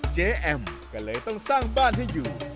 แอมก็เลยต้องสร้างบ้านให้อยู่